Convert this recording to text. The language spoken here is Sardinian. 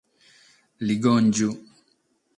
Ligòngiu